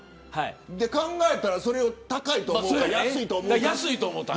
考えたら、それを高いと思うか安いと思った。